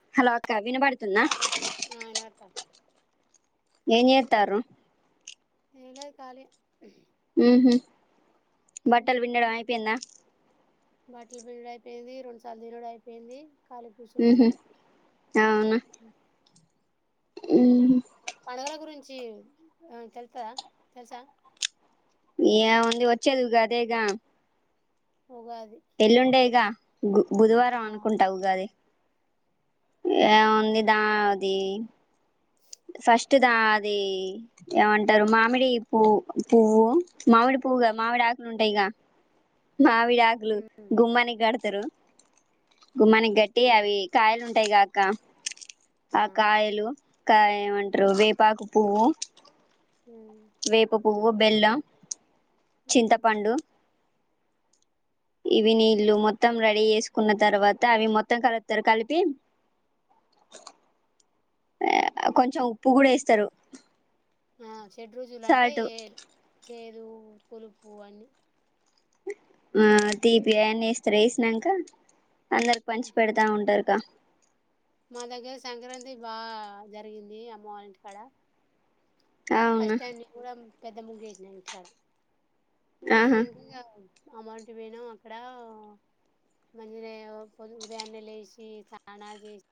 Hello అక్క వినబడుతున్నా ఆ అయనట ఏం చేత్తారు ఏం లేదు కాళీ ఉహ్ బట్టలు పిండడం అయిపోయిందా ఇట్లవిన్డుడైపోయింది రెండుసార్లు తినుడైపోయింది. కాలీ కూసుర్రా ఊహు ఉహు పండుగల గురించి ఆ తెల్సా తెల్సా ఏముంది ఓచ్చేది ఉగాదేగా ఉగాది ఎల్లుండేగా గు ఆ బుధవారం అనుకుంటా ఉగాది ఉమ్ ఏముంది దా అది ఫస్ట్ దా అది ఏమంటరు మామిడి పు పువ్వు మామిడి పు పోగా మావిడాకులుంటయికా మావిడాకులు గుమ్మానికి గడతరు గుమ్మానికి గట్టి ఉమ్ అవి కాయలుంటాయి కాక్క ఆ కాయలు ఇంకా ఏమంటరు వేపాకు పువ్వు ఉమ్ వేప పూవ్వు బెల్లం ఉమ్ చింతపండు ఇవి నీళ్ళు మొత్తం రెడీ చేసుకున్న తర్వాత అవి మొత్తం కలుప్తారు కలిపి ఆ కొంచెం ఉప్పు కూడా ఏస్తరు. ఆ షెడ్రుజులు అంటే ఏడు చేదు పులుపు అన్నీ ఆ తీపి అయన్ని ఏస్తరు ఏసినంక అందర్కి పంచి పెడతా ఉంటరు క మా దగ్గర సంక్రాంతి బా జరిగింది అమ్మ వాళ్ళింటికాడ ఫస్ట్ అవునా టైం నేను కూడా పెద్ద ముగ్గేసినా ఇంటికాడ ఆహా చేసినంక అమౌంట్ పోనా అక్కడ మంచి ఉదయాన్నె లేసి స్నానాలు చేసి